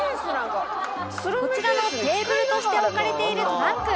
こちらのテーブルとして置かれているトランク